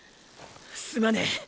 すまねェ！！